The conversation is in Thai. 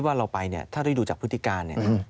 ว่าเราไปเนี่ยถ้ายูดูจากพฤติการ